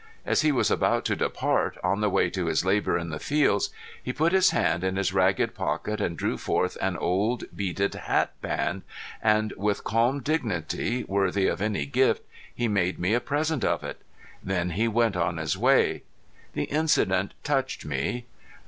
As he was about to depart, on the way to his labor in the fields, he put his hand in his ragged pocket and drew forth an old beaded hat band, and with calm dignity, worthy of any gift, he made me a present of it. Then he went on his way. The incident touched me.